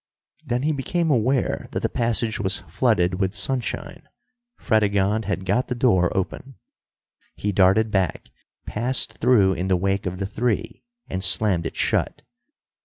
Then he became aware that the passage was flooded with sunshine. Fredegonde had got the door open. He darted back, passed through in the wake of the three, and slammed it shut.